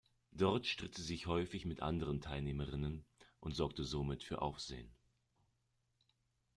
Dort stritt sie sich häufig mit den anderen Teilnehmerinnen und sorgte somit für Aufsehen.